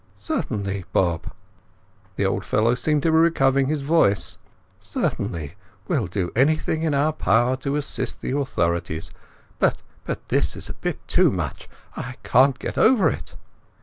"Certainly, Bob." The old fellow seemed to be recovering his voice. "Certainly, we'll do anything in our power to assist the authorities. But—but this is a bit too much. I can't get over it."